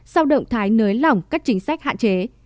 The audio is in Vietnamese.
sau động thái nới lỏng các chính sách hạn chế